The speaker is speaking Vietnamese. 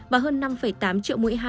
và hơn năm tám triệu mũi hai